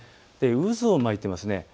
渦を巻いています。